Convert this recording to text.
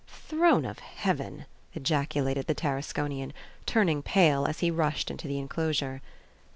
"Throne of heaven!" ejaculated the Tarasconian, turning pale, as he rushed into the enclosure.